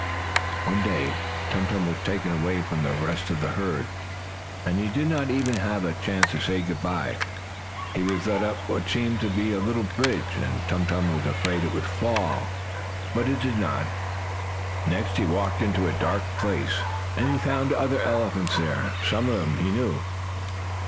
One day Tum Tum was taken away from the rest of the herd, and he did not even have a chance to say good by. He was led up what seemed to be a little bridge, and Tum Tum was afraid it would fall with him. But it did not. Next he walked down into a dark place, and he found other elephants there. Some of them he knew.